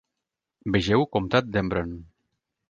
Vegeu comtat d'Embrun.